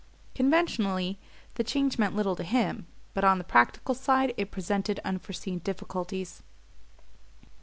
Conventionally the change meant little to him; but on the practical side it presented unforeseen difficulties.